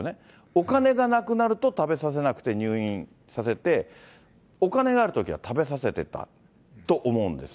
お金がなくなると食べさせなくて入院させて、お金があるときは食べさせてたと思うんです。